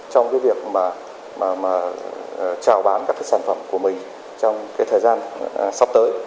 trong việc trào bán các sản phẩm của mình trong thời gian sắp tới